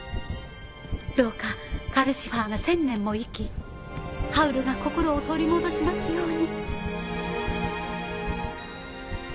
どうかカルシファーが千年も生きハウルが心を取り戻しますように。